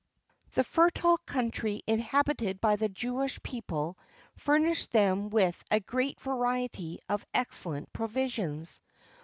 The fertile country inhabited by the Jewish people furnished them with a very great variety of excellent provisions.